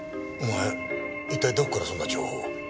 お前一体どこからそんな情報を。